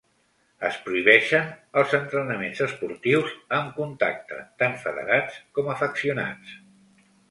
Es prohibeixen els entrenaments esportius amb contacte, tant federats com afeccionats.